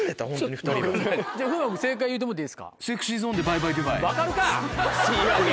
風磨君正解言うてもろうていいですか？